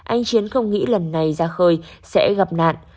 anh chiến không nghĩ lần này ra khơi sẽ gặp nạn